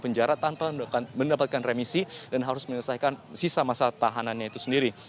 dan dia akan dikejar ke penjara tanpa mendapatkan remisi dan harus menyelesaikan sisa masa tahanannya itu sendiri